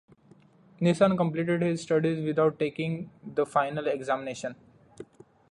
Nissen completed his studies without taking the final examination.